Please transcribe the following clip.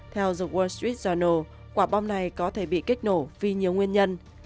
theo the wall street journal quả bom này có thể bị kích nổ vì nhiều nguyên nhân